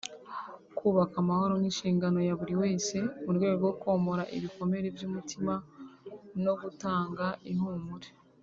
Kubaka amahoro nk’inshingano ya buri wese mu rwego rwo komora ibikomere by’umutima no gutanga ihumure